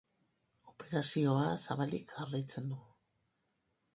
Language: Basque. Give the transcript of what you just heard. Operazioa zabalik jarraitzen du.